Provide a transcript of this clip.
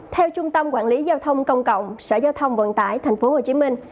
theo trung tâm quản lý giao thông công an tp hcm